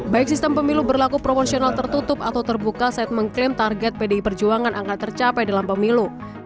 baik sistem pemilu berlaku proporsional tertutup atau terbuka saat mengklaim target pdi perjuangan akan tercapai dalam pemilu